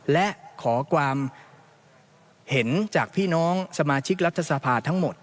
และขอความเห็นจากพี่น้องสมาชิกรัฐสภาทั้งหมด